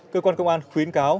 cơ quan công an khuyến cáo